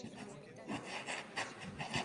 Ella hablaba varios idiomas extranjeros.